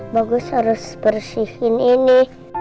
bagus harus bersihin ini